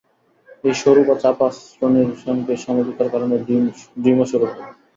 এই সরু বা চাপা শ্রোণির সঙ্গে সমঝোতার কারণে ডিমও সরু হয়।